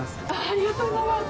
ありがとうございます。